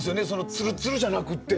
つるつるじゃなくて。